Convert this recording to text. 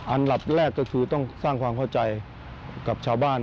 อันดับแรกก็คือต้องสร้างความเข้าใจกับชาวบ้าน